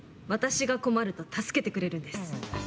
私が困ると助けてくれるんです。